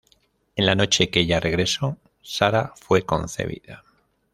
En la noche que ella regresó, Sarah fue concebida.